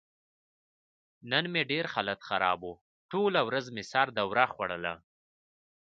نن مې ډېر حالت خراب و. ټوله ورځ مې سره دوره خوړله.